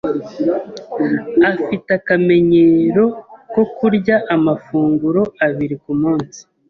Afite akamenyero ko kurya amafunguro abiri kumunsi.